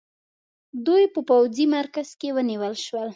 دوی په پوځي مرکز کې ونیول شول.